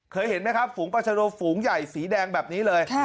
เคยเห็นไหมครับฝูงปลาชะโดฝูงใหญ่สีแดงแบบนี้เลย